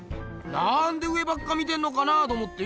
なんで上ばっか見てんのかなあと思ってよ。